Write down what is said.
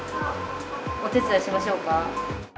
お手伝いしましょうか？